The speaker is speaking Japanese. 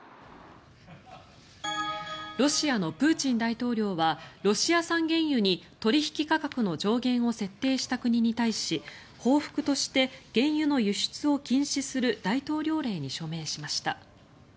ロシアのプーチン大統領はロシア産原油に取引価格の上限を設定した国に対し報復として原油の輸出を禁止する大統領令に署名しました。